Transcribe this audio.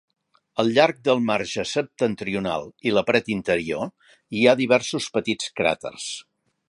Al llarg del marge septentrional i la paret interior hi ha diversos petits cràters.